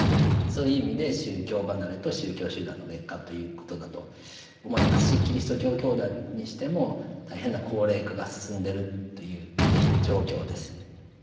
そういう意味で宗教離れと宗教集団の劣化ということだと思いますしキリスト教教団にしても大変な高齢化が進んでいるという状況です。